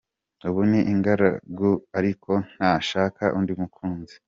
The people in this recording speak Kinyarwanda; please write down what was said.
Ubu ni ingaragu ariko ntashaka undi mukunzi.